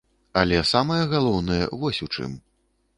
Але самае галоўнае вось у чым.